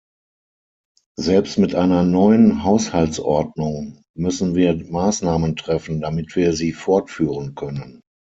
Selbst mit einer neuen Haushaltsordnung müssen wir Maßnahmen treffen, damit wir sie fortführen können.